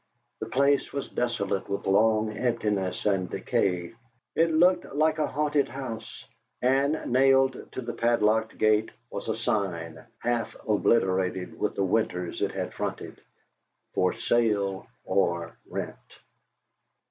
The place was desolate with long emptiness and decay: it looked like a Haunted House; and nailed to the padlocked gate was a sign, half obliterated with the winters it had fronted, "For Sale or Rent."